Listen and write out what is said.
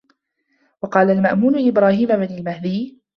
وَقَالَ الْمَأْمُونُ لِإِبْرَاهِيمَ بْنِ الْمَهْدِيِّ